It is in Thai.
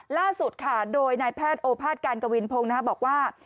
ล่าสุดค่ะโดยนายแพทย์โอภาษการกวินพงศ์บอกว่า